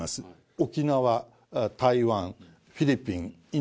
沖縄台湾フィリピン